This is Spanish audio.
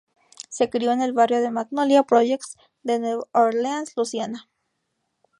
Se crio en el barrio de Magnolia Projects de New Orleans, Luisiana.